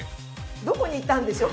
どこにいったんでしょう？